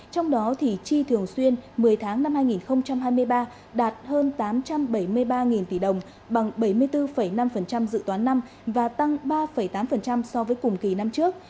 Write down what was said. trong đó thì chi thường xuyên một mươi tháng năm hai nghìn hai mươi ba đạt hơn tám trăm bảy mươi ba tỷ đồng bằng bảy mươi bốn năm dự toán năm và tăng ba tám so với cùng kỳ năm trước